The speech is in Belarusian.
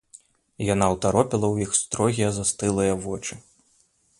Яна ўтаропіла ў іх строгія застылыя вочы.